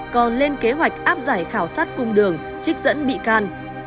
còn lên kế hoạch áp giải khảo sát cung đường trích dẫn bị can